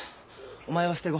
お前は捨て子。